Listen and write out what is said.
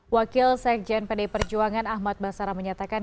wakil sekjen pdi perjuangan ahmad basara menyatakan